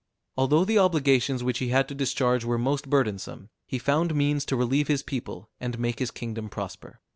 Although the obligations which he had to discharge were most burdensome, he found means to relieve his people, and make his kingdom prosper.